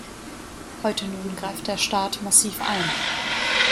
Heute nun greift der Staat massiv ein.